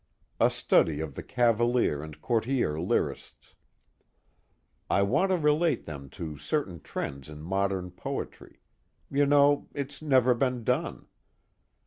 A study of the Cavalier and Courtier Lyrists. I want to relate them to certain trends in modern poetry. You know, it's never been done.